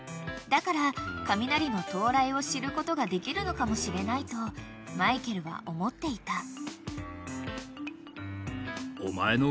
［だから雷の到来を知ることができるのかもしれないとマイケルは思っていた］